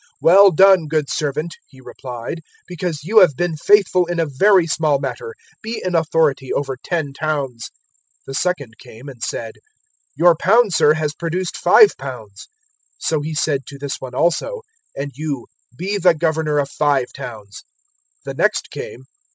019:017 "`Well done, good servant,' he replied; `because you have been faithful in a very small matter, be in authority over ten towns.' 019:018 "The second came, and said, "`Your pound, Sir, has produced five pounds.' 019:019 "So he said to this one also, "`And you, be the governor of five towns.' 019:020 "The next came.